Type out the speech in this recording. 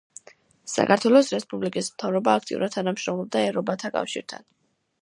საქართველოს რესპუბლიკის მთავრობა აქტიურად თანამშრომლობდა „ერობათა კავშირთან“.